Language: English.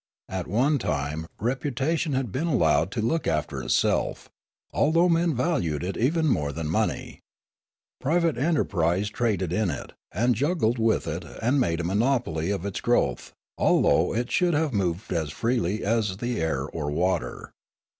At one time reputation had been allowed to look after itself, although men valued it even more than money. Private enterprise traded in it and juggled with it and made a monopoly of its growth, although it should have moved as freely as the air or water.